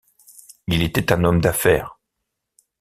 Il était un homme d'affaires.